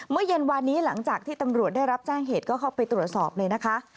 เย็นวานนี้หลังจากที่ตำรวจได้รับแจ้งเหตุก็เข้าไปตรวจสอบเลยนะคะ